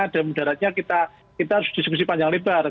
dan daratnya kita harus diskusi panjang lebar